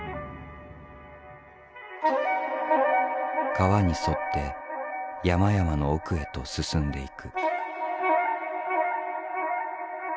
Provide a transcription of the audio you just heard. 川に沿って山々の奥へと進んでいく。